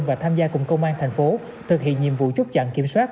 và tham gia cùng công an thành phố thực hiện nhiệm vụ chốt chặn kiểm soát